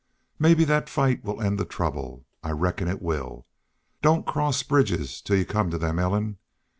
"Mebbe thet fight will end the trouble. I reckon it will. Don't cross bridges till you come to them, Ellen....